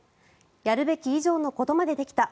やるべき以上のことまでできた！